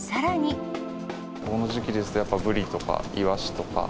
この時期ですとやっぱりブリとか、イワシとか。